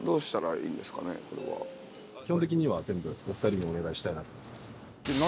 基本的には全部お二人にお願いしたいなと思ってます。